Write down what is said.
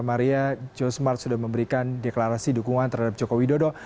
maria joe smart sudah memberikan deklarasi dukungan terhadap joko widodo